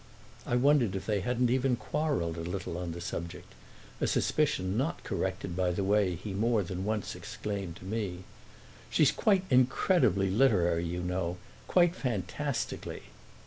I wondered if they hadn't even quarrelled a little on the subject—a suspicion not corrected by the way he more than once exclaimed to me: "She's quite incredibly literary, you know—quite fantastically!"